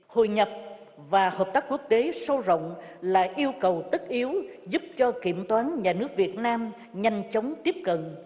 hội nhập và hợp tác quốc tế sâu rộng là yêu cầu tất yếu giúp cho kiểm toán nhà nước việt nam nhanh chóng tiếp cận